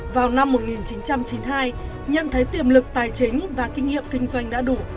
vào năm một nghìn chín trăm chín mươi hai nhận thấy tiềm lực tài chính và kinh nghiệm kinh doanh đã đủ